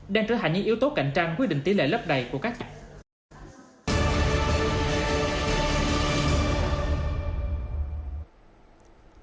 đang trở thành những yếu tố cạnh tranh quy định tỷ lệ lớp đầy của các chặng